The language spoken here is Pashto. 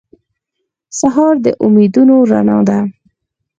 سهار د امیدونو رڼا ده.